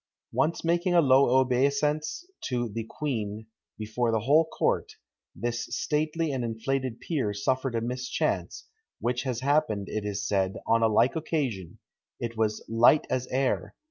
Once making a low obeisance to the queen, before the whole court, this stately and inflated peer suffered a mischance, which has happened, it is said, on a like occasion it was "light as air!"